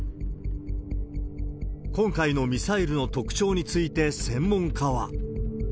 今回のミサイルの特徴について専門家は。